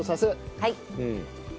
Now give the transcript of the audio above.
はい。